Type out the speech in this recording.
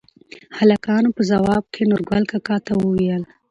هلکانو په ځواب کې نورګل کاکا ته ووېل: